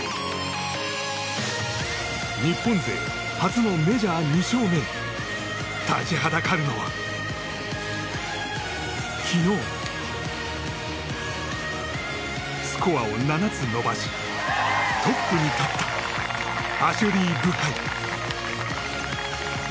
日本勢初のメジャー２勝目へ立ちはだかるのは昨日、スコアを７つ伸ばしトップに立ったアシュリー・ブハイ。